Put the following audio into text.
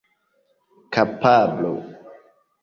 kapablo